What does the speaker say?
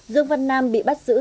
dương văn nam bị bắt giữ